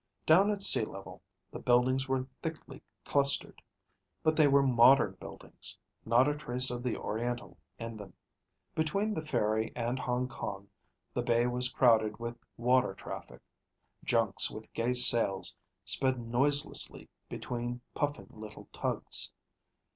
Down at sea level, the buildings were thickly clustered. But they were modern buildings, not a trace of the oriental in them. Between the ferry and Hong Kong, the bay was crowded with water traffic. Junks with gay sails sped noiselessly between puffing little tugs.